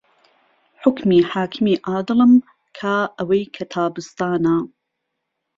حوکمی حاکمی عادڵم کا ئەوەی کە تابستانە